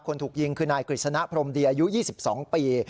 ถูกยิงคือนายกฤษณะพรมดีอายุ๒๒ปี